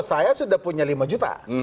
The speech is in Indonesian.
saya sudah punya lima juta